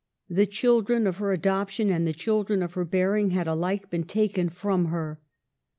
The children of her adoption and the children of her bearing had alike been taken from her.